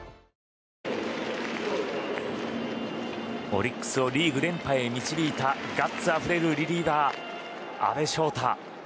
オリックスをリーグ連覇へ導いたガッツあふれるリリーバー阿部翔太。